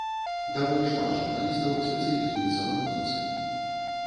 Даволі шмат журналістаў спецыялізуецца на музыцы.